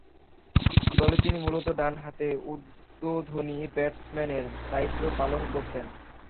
দলে তিনি মূলতঃ ডানহাতে উদ্বোধনী ব্যাটসম্যানের দায়িত্ব পালন করতেন।